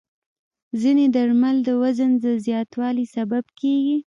ځینې درمل د وزن د زیاتوالي سبب کېږي.